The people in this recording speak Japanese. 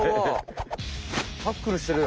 タックルしてるよ。